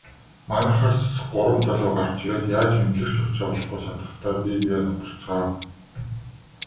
Майхнаас гурван залуу гарч ирээд яаж мэндлэх ч учраа олохгүй сандрахдаа бие биеэ нударцгаав.